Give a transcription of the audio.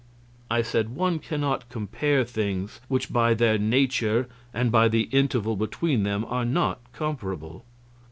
I said, "One cannot compare things which by their nature and by the interval between them are not comparable."